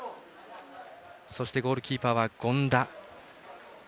そして、ゴールキーパーは権田。